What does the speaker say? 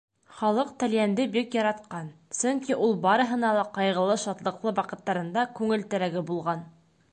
Халыҡ Талйәнде бик яратҡан, сөнки ул барыһына ла ҡайғылы-шатлыҡлы ваҡыттарында күңел терәге булған.